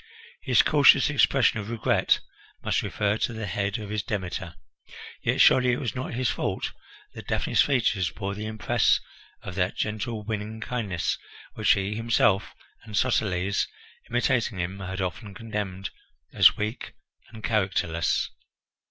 His cautious expression of regret must refer to the head of his Demeter. Yet surely it was not his fault that Daphne's features bore the impress of that gentle, winning kindness which he himself and Soteles, imitating him, had often condemned as weak and characterless.